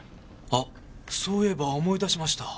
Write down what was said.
あそういえば思い出しました。